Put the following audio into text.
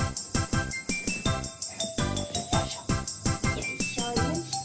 よいしょよいしょ。